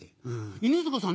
犬塚さん